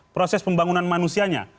proses pembangunan manusianya